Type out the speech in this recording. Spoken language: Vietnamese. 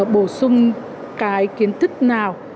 bổ sung cái kiến thức nào